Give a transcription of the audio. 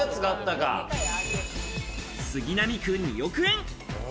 杉並区２億円！